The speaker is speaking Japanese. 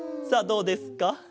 さあどうですか？